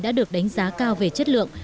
đã được đánh giá cao về chất lượng